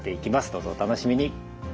どうぞお楽しみに。